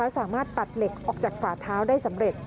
สามารถตัดเหล็กออกจากฝาเท้าได้สำเร็จ